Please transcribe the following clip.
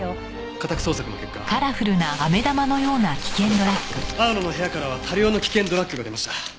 家宅捜索の結果青野の部屋からは多量の危険ドラッグが出ました。